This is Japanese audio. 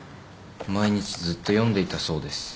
毎日ずっと読んでいたそうです。